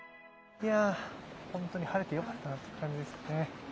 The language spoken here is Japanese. いやほんとに晴れてよかったなって感じですよね。